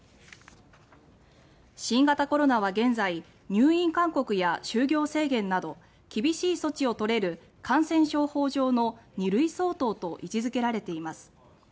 新型コロナは現在入院勧告や就業制限など厳しい措置をとれる感染症法上の２類相当と位置づけられています。